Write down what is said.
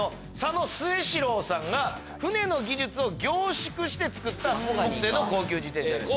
野末四郎さんが船の技術を凝縮して作った木製の高級自転車です。